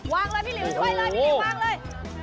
งเลยพี่หลิวช่วยเลยพี่หลิววางเลย